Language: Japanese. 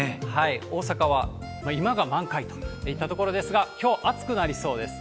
大阪は今が満開といったところですが、きょう、暑くなりそうです。